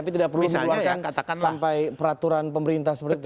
tapi tidak perlu mengeluarkan sampai peraturan pemerintah seperti itu